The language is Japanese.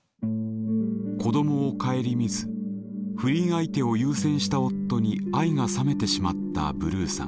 子どもを顧みず不倫相手を優先した夫に愛が冷めてしまったブルーさん。